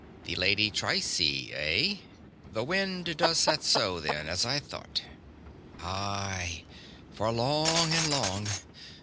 "The Lady Trycie, eh? The wind does set so, then, as I thought." "Aye. For long and long.